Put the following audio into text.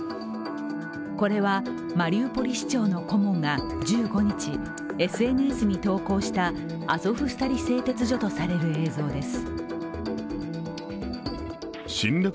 これはマリウポリ市長の顧問が１５日、ＳＮＳに投稿したアゾフスタリ製鉄所とされる映像です。